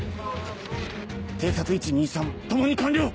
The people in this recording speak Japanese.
偵察１２３ともに完了！